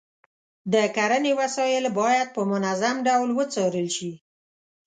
د کرنې وسایل باید په منظم ډول وڅارل شي.